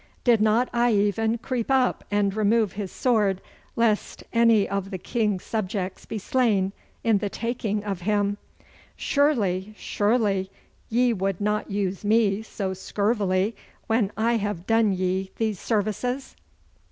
Did not I even creep up and remove his sword lest any of the King's subjects be slain in the taking of him? Surely, surely, ye would not use me so scurvily when I have done ye these services?